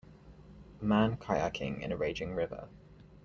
Man kayaking in a raging river.